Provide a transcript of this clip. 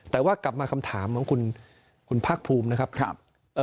แต่ว่ากลับมาคำถามของคุณคุณภาคภูมินะครับ